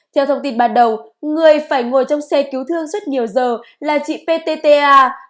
theo thông tin ban đầu người phải ngồi trong xe cứu thương suốt nhiều giờ là chị p t t a